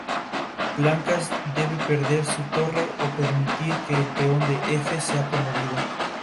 Un moralista dueño de un hotel exclusivo para señoritas las protege de sus pretendientes.